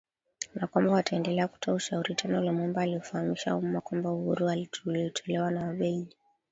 na kwamba wataendelea kutoa ushauri Tano Lumumba aliufahamisha umma kwamba uhuru uliotolewa na Wabeljiji